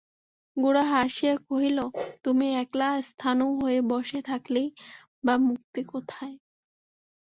গোরা হাসিয়া কহিল, তুমি একলা স্থাণু হয়ে বসে থাকলেই বা মুক্তি কোথায়?